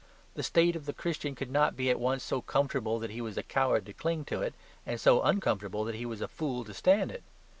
The state of the Christian could not be at once so comfortable that he was a coward to cling to it, and so uncomfortable that he was a fool to stand it.